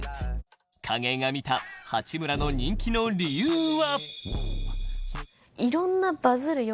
景井が見た八村の人気の理由は。